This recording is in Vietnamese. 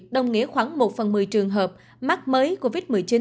đồng nghĩa khoảng một phần một mươi trường hợp mắc mới